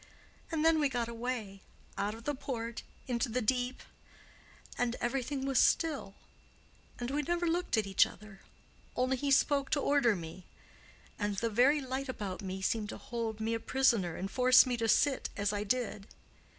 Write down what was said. And then we got away—out of the port—into the deep—and everything was still—and we never looked at each other, only he spoke to order me—and the very light about me seemed to hold me a prisoner and force me to sit as I did.